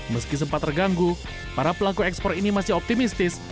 meski sempat terganggu para pelaku ekspor ini masih optimistis